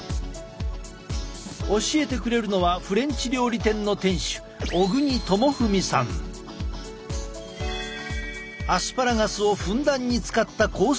教えてくれるのはフレンチ料理店の店主アスパラガスをふんだんに使ったコース